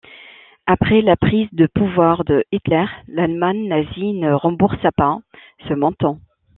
Après la prise de pouvoir de Hitler, l'Allemagne nazie ne remboursa pas ce montant.